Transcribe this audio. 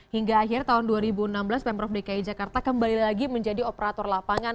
hingga akhir tahun dua ribu enam belas pemprov dki jakarta kembali lagi menjadi operator lapangan